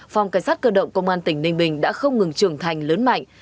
phòng cảnh sát cơ động công an tỉnh ninh bình đã không ngừng trưởng thành lớn mạnh